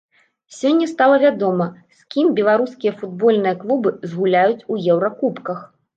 Сёння стане вядома, з кім беларускія футбольныя клубы згуляюць у еўракубках.